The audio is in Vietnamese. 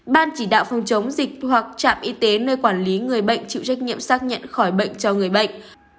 ban chỉ đạo phòng chống dịch hoặc trạm y tế nơi quản lý người bệnh chịu trách nhiệm xác nhận khỏi bệnh cho người bệnh